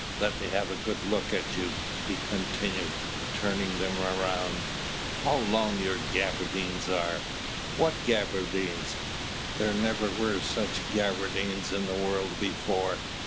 let me have a good look at you," he continued, turning them around. "How long your gaberdines are! What gaberdines! There never were such gaberdines in the world before.